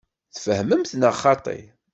Tfehmemt neɣ xaṭi?